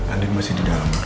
andien masih di dalam